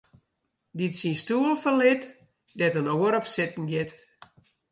Dy't syn stoel ferlit, dêr't in oar op sitten giet.